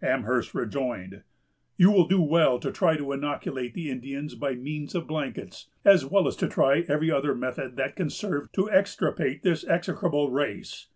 Amherst rejoined: "You will do well to try to inoculate the Indians by means of blankets, as well as to try every other method that can serve to extirpate this execrable race.